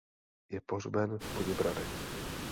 Je pohřben v Poděbradech.